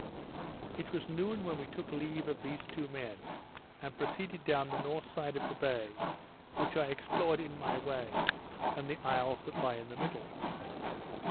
It was noon when we took leave of these two men, and proceeded down the north side of the bay, which I explored in my way, and the isles that lie in the middle.